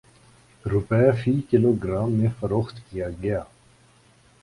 روپے فی kilogram میں فروخت کیا گیا